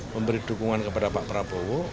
memberi dukungan kepada pak prabowo